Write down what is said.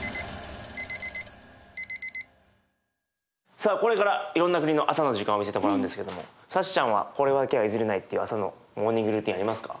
さあこれからいろんな国の朝の時間を見せてもらうんですけどもサチちゃんはこれだけは譲れないっていう朝のモーニングルーティンありますか？